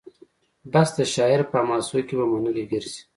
بس د شاعر په حماسو کي به منلي ګرځي